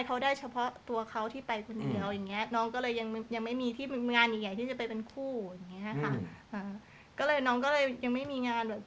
แต่เขาได้เฉพาะตัวเขาที่ไปกันเดียวอย่างนี้